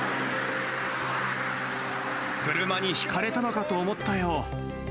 車にひかれたのかと思ったよ。